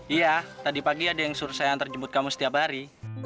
iya tadi pagi ada yang suruh saya antar jemput kamu setiap hari